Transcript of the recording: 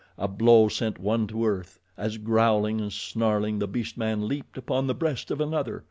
A blow sent one to earth, as, growling and snarling, the beast man leaped upon the breast of another.